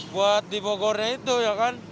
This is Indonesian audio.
buat di bogornya itu ya kan